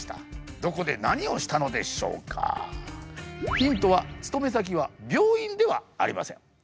ヒントは勤め先は病院ではありません。